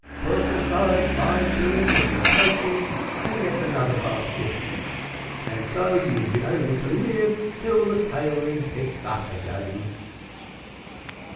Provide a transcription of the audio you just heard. Put aside five shillings of your takings and get another basket, and so you will be able to live till the tailoring picks up a bit."